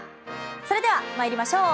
それでは参りましょう。